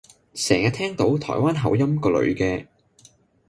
成日聽到台灣口音個女嘅